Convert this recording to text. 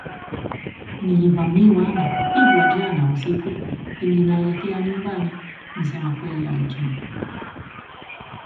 Nilivamiwa na kupigwa jana usiku pindi naelekea nyumbani,” Msemakweli alijibu